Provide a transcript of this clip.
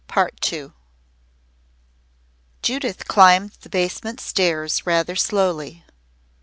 PART TWO Judith climbed the basement stairs rather slowly.